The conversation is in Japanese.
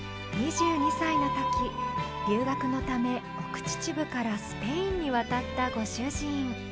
２２歳のとき留学のため奥秩父からスペインに渡ったご主人